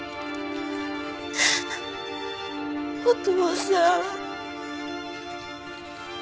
お父さん。